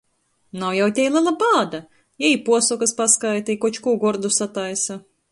Nav jau tei lela bāda – jei i puosokys paskaita, i koč kū gordu sataisa.